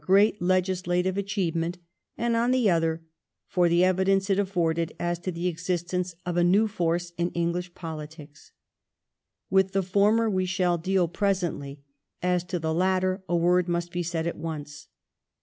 i • i i • Ministry, great legislative achievement, and on the other, for the evidence it i?^v r^th ^"^^'^^^^^^ the existence of a new force in English politics. 1834 With the former we shall deal presently ; as to the latter a word may be said at once.